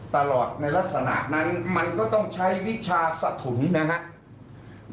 ตลอดในลักษณะนั้นมันก็ต้องใช้วิชาสะถุงนะครับ